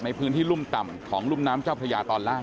ในพื้นที่รุ่มต่ำของรุ่มน้ำเจ้าพระยาตอนล่าง